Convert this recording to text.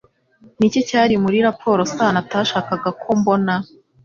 Ni iki cyari muri raporo Sano atashakaga ko mbona